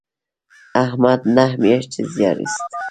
احمد نهه میاشتې زیار ایست.